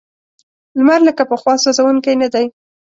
لمر لکه پخوا سوځونکی نه دی.